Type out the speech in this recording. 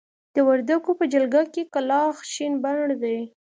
د وردکو په جلګه کې کلاخ شين بڼ دی.